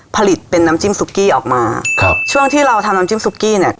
ผลิตเป็นน้ำจิ้มซุกกี้ออกมาครับช่วงที่เราทำน้ำจิ้มซุกกี้เนี้ย